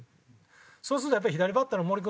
そうするとやっぱり左バッターの森君。